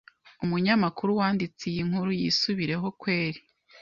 umunyamakuru wanditse iyi nkuru yisubireho kweli